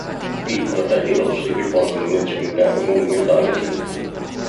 I fratelli Rossi riposano nel Cimitero Monumentale di Milano.